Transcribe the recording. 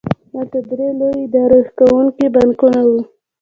هلته درې لوی اداره کوونکي بانکونه وو